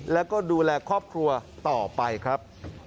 แล้วก็ดูแลครอบครัวต่อไปครับ